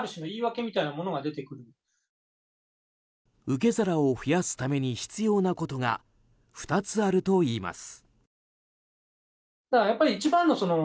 受け皿を増やすために必要なことが２つあるといいます。